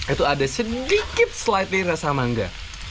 itu ada sedikit slider rasa mangga